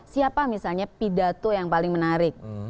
siapa misalnya pidato yang paling menarik